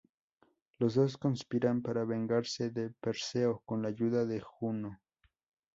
Los dos conspiran para vengarse de Perseo con la ayuda de Juno.